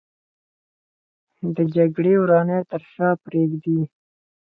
د جګړې ورانۍ تر شا پرېږدي